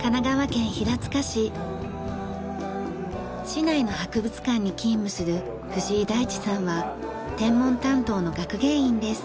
市内の博物館に勤務する藤井大地さんは天文担当の学芸員です。